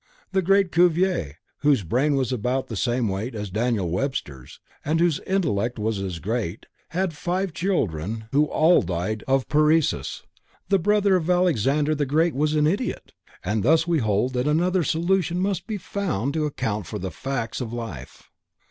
The great Cuvier, whose brain was of about the same weight, as Daniel Webster's, and whose intellect was as great, had five children who all died of paresis, the brother of Alexander the Great was an idiot, and thus we hold that another solution must be found to account for the facts of life.